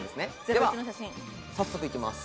では早速行きます。